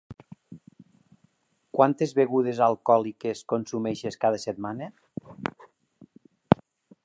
Quantes begudes alcohòliques consumeixes cada setmana?